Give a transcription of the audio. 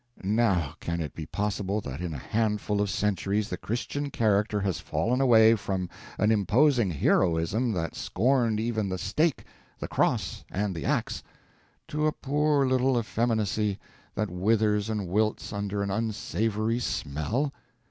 Now, can it be possible that in a handful of centuries the Christian character has fallen away from an imposing heroism that scorned even the stake, the cross, and the axe, to a poor little effeminacy that withers and wilts under an unsavoury smell?